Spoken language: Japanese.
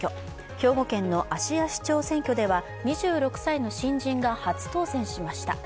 兵庫県の芦屋市長選挙では２６歳の新人が初当選しました。